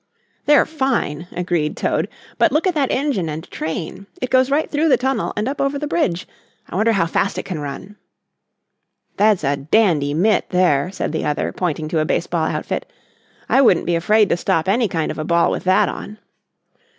"They're fine," agreed Toad, "but look at that engine and train. It goes right through the tunnel and up over the bridge. I wonder how fast it can run." "That's a dandy mitt there," said the other, pointing to a baseball outfit. "I wouldn't be afraid to stop any kind of a ball with that on."